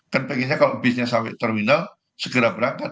kan pengennya kalau bisnya sampai terminal segera berangkat